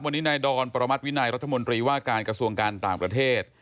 วันนี้นายดอนปรมัติวินัยรัฐมนตรีว่าการกระทรวงการต่างประเทศ